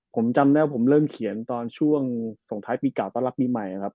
ผมจำแล้วผมเริ่มเขียนตอนช่วงส่งท้ายปีเก่าตั้งแต่ละปีใหม่ครับ